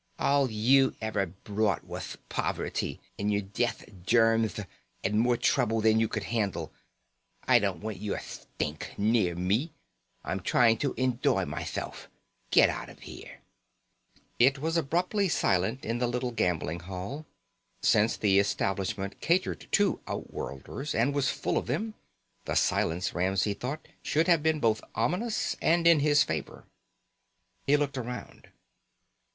"All you ever brought wath poverty and your ditheath germth and more trouble than you could handle. I don't want your thtink near me. I'm trying to enjoy mythelf. Get out of here." It was abruptly silent in the little gambling hall. Since the establishment catered to outworlders and was full of them, the silence, Ramsey thought, should have been both ominous and in his favor. He looked around.